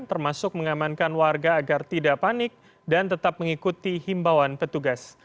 termasuk mengamankan warga agar tidak panik dan tetap mengikuti himbawan petugas